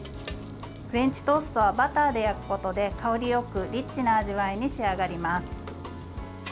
フレンチトーストはバターで焼くことで香りよくリッチな味わいに仕上がります。